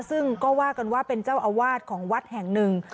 ซึ่งก็ว่ากันว่าเป็นเจ้าอาวาสของวัดแห่งหนึ่ง